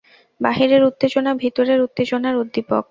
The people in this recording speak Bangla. বাহিরের উত্তেজনা ভিতরের উত্তেজনার উদ্দীপক।